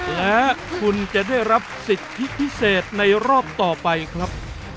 และคุณจะได้รับสิทธิพิเศษในรอบต่อไปครับ